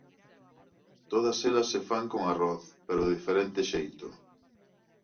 Todas elas se fan con arroz, pero de diferente xeito.